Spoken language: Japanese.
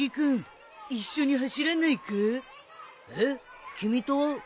えっ君と？